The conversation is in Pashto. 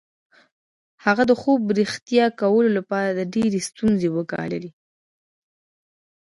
هغه د خوب رښتیا کولو لپاره ډېرې ستونزې وګاللې